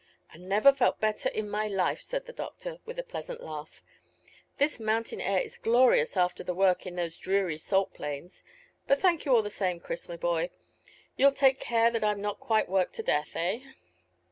"And never felt better in my life," said the doctor, with a pleasant laugh. "This mountain air is glorious after the work in those dreary salt plains. But thank you all the same, Chris, my boy; you'll take care that I am not quite worked to death, eh?"